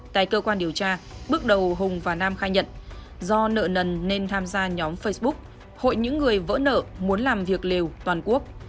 tại cơ quan điều tra bước đầu hùng và nam khai nhận do nợ nần nên tham gia nhóm facebook hội những người vỡ nợ muốn làm việc liều toàn quốc